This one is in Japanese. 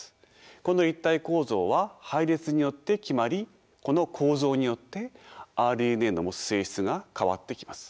この立体構造は配列によって決まりこの構造によってＲＮＡの持つ性質が変わってきます。